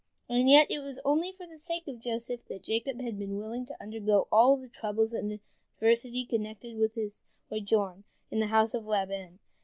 And yet it was only for the sake of Joseph that Jacob had been willing to undergo all the troubles and the adversity connected with his sojourn in the house of Laban.